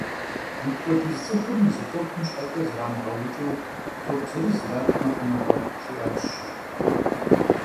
Мыпхуэдиз цӏыхур мы зы топым щхьэкӏэ зрамыгъэукӏыу, топ зырыз иратмэ хъунукъэ? - жиӏащ, жи.